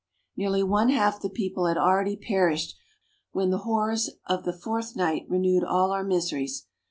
Nearly one half the people had already perished, when the horrors of the fourth night renewed all our miseries.